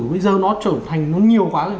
bây giờ nó trở thành nhiều quá rồi